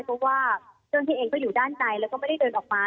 เพราะว่าเจ้าหน้าที่เองก็อยู่ด้านในแล้วก็ไม่ได้เดินออกมา